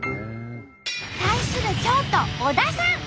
対する京都小田さん。